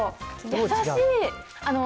優しい。